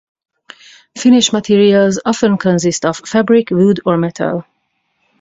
Finish materials often consist of fabric, wood or metal.